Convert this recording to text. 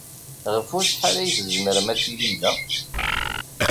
Ɣef wacḥal ay tzemrem ad tilim da?